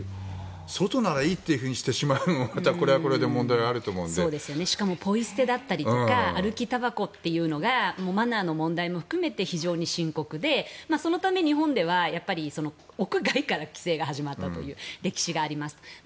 外ならいいとしてしまうのもこれはこれでしかもポイ捨て歩きたばこというのがマナーの問題も含めて深刻で日本は屋外から規制が始まったという歴史があります。